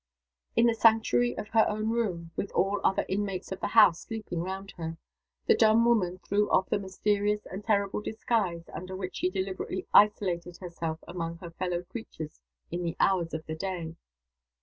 In the sanctuary of her own room with all the other inmates of the house sleeping round her the dumb woman threw off the mysterious and terrible disguise under which she deliberately isolated herself among her fellow creatures in the hours of the day.